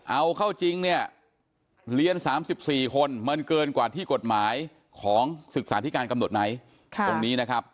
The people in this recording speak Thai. เอาเข้าจริงเนี่ยเรียน๓๔คนมันเกินกว่าที่กฎหมายของศึกษาธิการกำหนดไหมตรงนี้นะครับ